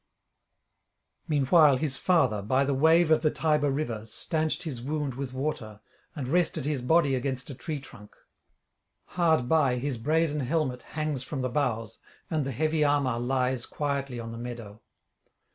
Meanwhile his father, by the wave of the Tiber river, stanched his wound with water, and rested his body against a tree trunk. Hard by his brazen helmet hangs from the boughs, and the heavy armour lies quietly on the meadow.